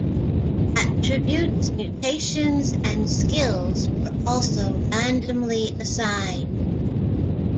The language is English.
Attributes, mutations, and skills were also randomly assigned.